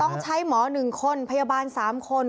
ต้องใช้หมอ๑คนพยาบาล๓คน